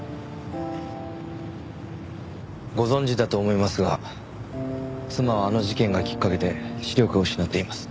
ご存じだと思いますが妻はあの事件がきっかけで視力を失っています。